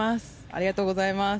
ありがとうございます。